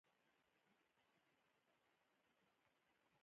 زه له بېکارۍ څخه کرکه لرم.